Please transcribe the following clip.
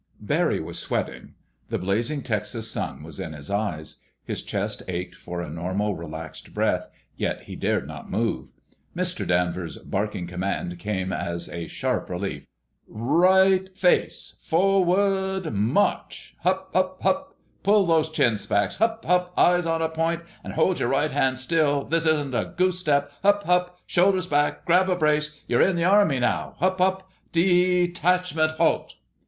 Barry was sweating. The blazing Texas sun was in his eyes. His chest ached for a normal, relaxed breath; yet he dared not move. Mister Danvers' barking command came as a sharp relief. "Right face.... Forward, march! Hup! Hup! Hup! Pull those chins back. Hup! Hup! Eyes on a point! And hold your right hands still—this isn't a goose step. Hup! Hup! Shoulders back—grab a brace—you're in the Army now! Hup! Hup! Dee tachment, halt!"